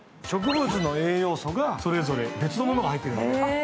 植物の栄養素が、それぞれ違うものが入ってるんです。